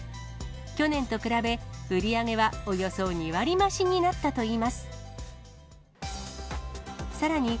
去年と比べ、売り上げはおよそ２割増しになったといいます。